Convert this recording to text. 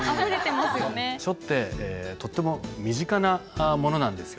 書ってとっても身近なものなんですよ。